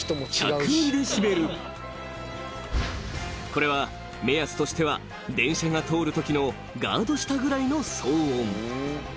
［これは目安としては電車が通るときのガード下ぐらいの騒音］